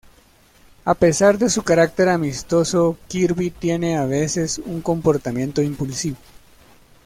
A pesar de su carácter amistoso, Kirby tiene a veces un comportamiento impulsivo.